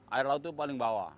air laut itu paling bawah